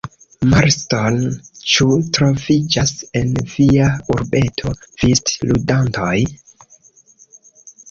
Marston, ĉu troviĝas en via urbeto vistludantoj?